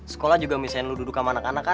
sekolah juga misalnya dulu duduk sama anak anak kan